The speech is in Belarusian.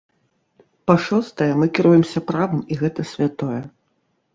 Па-шостае, мы кіруемся правам, і гэта святое.